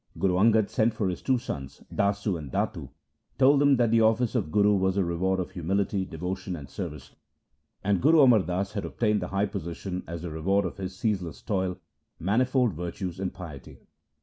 Guru Angad sent for his two sons, Dasu and Datu, told them that the office of Guru was the reward of humility, devotion, and service; and Guru Amar Das had obtained the high position as the reward of his ceaseless toil, manifold virtues and piety.